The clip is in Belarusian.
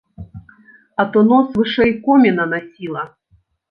А то нос вышэй коміна насіла!